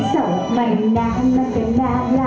หยุดมีท่าหยุดมีท่า